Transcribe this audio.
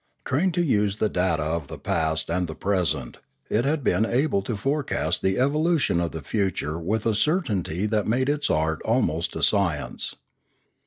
Trained to use the data of the past and the present, it had been able to forecast the evolution of the future with a cer tainty that made its art almost a science.